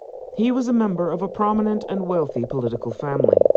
He was a member of a prominent and wealthy political family.